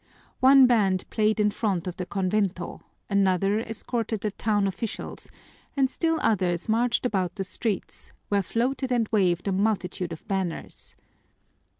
One band played in front of the convento, another escorted the town officials, and still others marched about the streets, where floated and waved a multitude of banners.